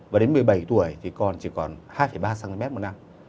và đến một mươi bảy tuổi thì còn chỉ còn hai ba cm một năm